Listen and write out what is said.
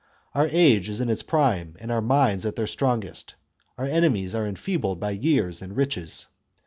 Our age is in its prime and our minds at their strongest, our ene mies are enfeebled by years and riches.